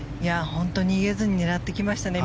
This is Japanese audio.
本当に上手に狙ってきましたね。